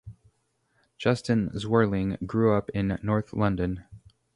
Justine Zwerling grew up in North London.